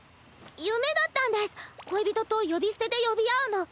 夢だったんです恋人と呼び捨てで呼び合うの。